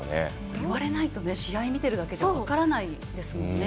言われないと試合見ているだけでは分からないですよね。